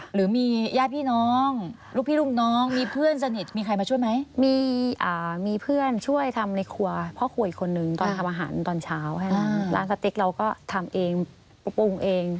หรือมีญ่ายพี่น้องลูกพี่ลูกน้อง